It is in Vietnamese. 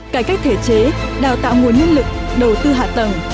cải cách thể chế đào tạo nguồn nhân lực đầu tư hạ tầng